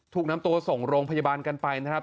ถูกนำตัวส่งโรงพยาบาลกันไปนะครับ